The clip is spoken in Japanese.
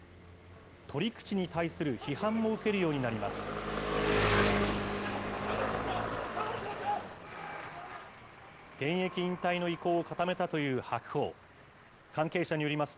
取り口に対する批判も受けるようになります。